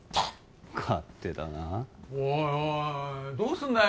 勝手だなあおいおいどうすんだよ